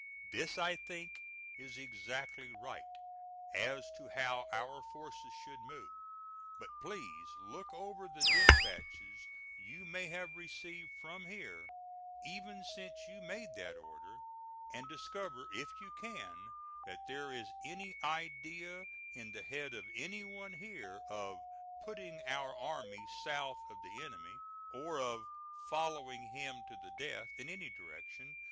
This, I think, is exactly right, as to how our forces should move. But please look over the despatches you may have received from here, even since you made that order, and discover, if you can, that there is any idea in the head of any one here, of "putting our army south of the enemy," or of "following him to the death" in any direction.